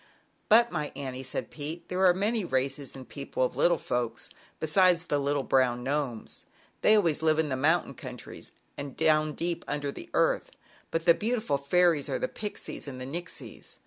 "But, my Annie," said Pete, "there are many races and people of little folks besides the little brown Gnomes. They always live in mountain countries and down deep under the earth, but the beautiful fairies are the Pixies and the Nixies.